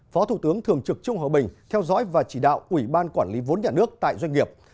phó thủ tướng thường trực trung hòa bình theo dõi và chỉ đạo ủy ban quản lý vốn nhà nước tại doanh nghiệp